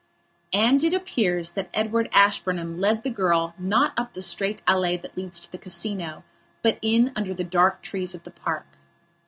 And it appears that Edward Ashburnham led the girl not up the straight allée that leads to the Casino, but in under the dark trees of the park.